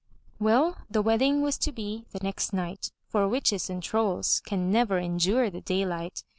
Well, the wedding was to be the next night, for witches and trolls can never endure the daylight.